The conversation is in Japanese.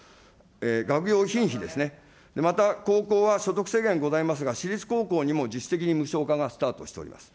学用品費ですね、また高校は所得制限ございますが、私立高校にも自主的に無償化がスタートしております。